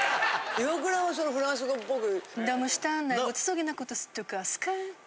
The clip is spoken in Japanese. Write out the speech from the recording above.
イワクラはフランス語っぽく。